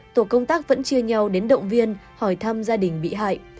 tổ công tác vẫn chia nhau đến động viên hỏi thăm gia đình bị hại